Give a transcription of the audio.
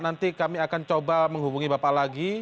nanti kami akan coba menghubungi bapak lagi